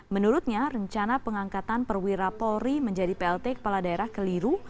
menurutnya rencana pengangkatan perwira polri menjadi plt kepala daerah keliru